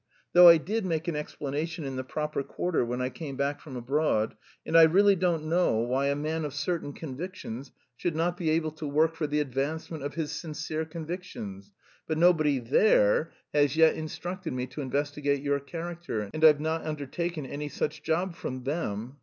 Though I did make an explanation in the proper quarter when I came back from abroad, and I really don't know why a man of certain convictions should not be able to work for the advancement of his sincere convictions... but nobody there has yet instructed me to investigate your character and I've not undertaken any such job from _them.